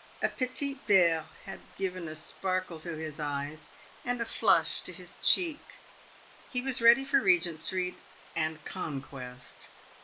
A. petit verre had given a sparkle to his eyes, and a flush to his cheek. He was ready for Eegent street and conquest.